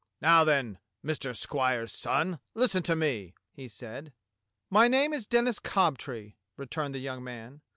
"Now, then, Mr. Squire's son, listen to me," he said. "My name is Denis Cobtree," returned the young man.